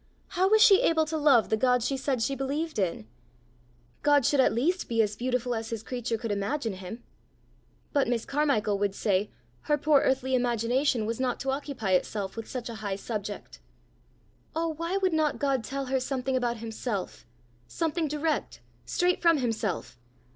How was she able to love the God she said she believed in? God should at least be as beautiful as his creature could imagine him! But Miss Carmichael would say her poor earthly imagination was not to occupy itself with such a high subject! Oh, why would not God tell her something about himself something direct straight from himself?